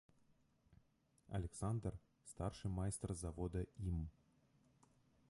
Аляксандр, старшы майстар завода ім.